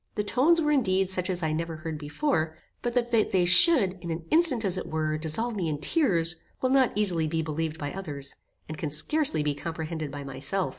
The tones were indeed such as I never heard before; but that they should, in an instant, as it were, dissolve me in tears, will not easily be believed by others, and can scarcely be comprehended by myself.